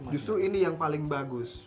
justru ini yang paling bagus